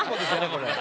これ。